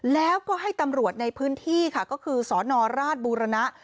แล้วก็ให้ตำรวจในพื้นที่ค่ะก็คือสนราชบูรณะ